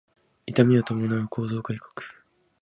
痛みを伴う構造改革